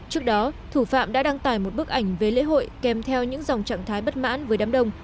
trước đó thủ phạm đã đăng tải một bức ảnh về lễ hội kèm theo những dòng trạng thái bất mãn với đám đông